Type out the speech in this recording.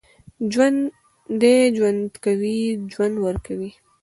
ژوندي ژوند کوي، ژوند ورکوي